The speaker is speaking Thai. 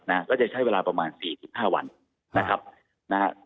นะฮะก็จะใช้เวลาประมาณสี่สิบห้าวันนะครับนะฮะ